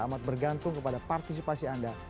amat bergantung kepada partisipasi anda